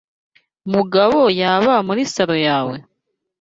Mugabo yaba muri saloon yawe?